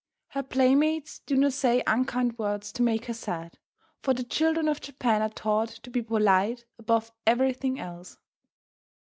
Her playmates do not say unkind words to make her sad, for the children of Japan are taught to be polite above everything else.